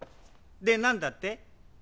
で何だって？